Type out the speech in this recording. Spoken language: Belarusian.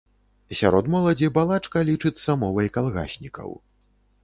Сярод моладзі балачка лічыцца мовай калгаснікаў.